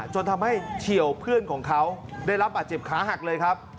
จนทำให้เฉียวเพื่อนของเขาได้รับบาดเจ็บขาหักเลยครับ